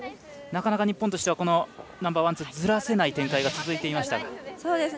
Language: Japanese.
なかなか日本としてはナンバーワン、ツーをずらせないという展開が続いていましたが。